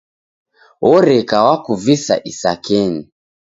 Oreka wakuvisa isakenyi.